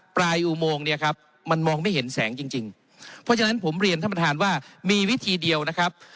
อุโมงเนี่ยครับมันมองไม่เห็นแสงจริงจริงเพราะฉะนั้นผมเรียนท่านประธานว่ามีวิธีเดียวนะครับ